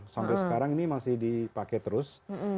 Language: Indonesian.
sampai sekarang ini masih dipakai terus